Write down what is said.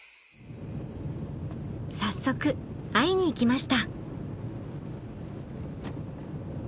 早速会いに行きました。